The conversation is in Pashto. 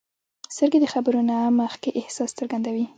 سترګې د خبرو نه مخکې احساس څرګندوي